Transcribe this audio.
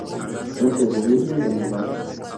Fuente: Gobierno de Navarra.